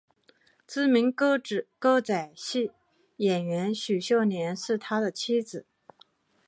知名歌仔戏演员许秀年是他的妻子。